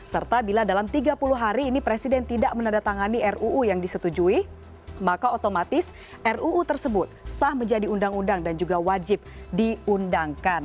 serta bila dalam tiga puluh hari ini presiden tidak menandatangani ruu yang disetujui maka otomatis ruu tersebut sah menjadi undang undang dan juga wajib diundangkan